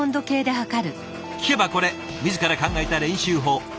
聞けばこれ自ら考えた練習法。